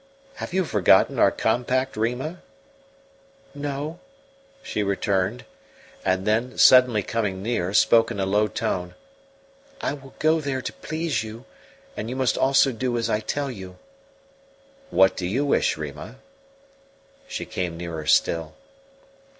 "Have you forgotten our compact, Rima?" "No," she returned; and then, suddenly coming near, spoke in a low tone: "I will go there to please you, and you must also do as I tell you." "What do you wish, Rima?" She came nearer still.